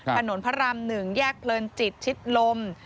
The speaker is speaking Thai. ถนนพระราม๑แยกเพลินจิตชิดลม